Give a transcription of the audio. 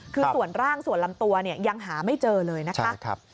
คือส่วนร่างส่วนลำตัวยังหาไม่เจอเลยนะคะ